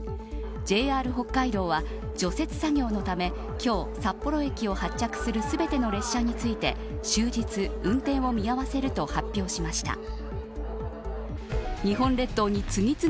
ＪＲ北海道は除雪作業のため今日、札幌駅を発着する全ての列車について終日、運転を見合わせると発表しました。